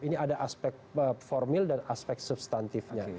ini ada aspek formil dan aspek substantifnya